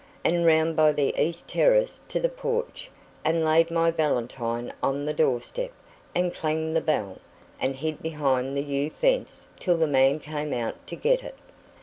and round by the east terrace to the porch, and laid my valentine on the door step, and clanged the bell, and hid behind the yew fence till the man came out to get it.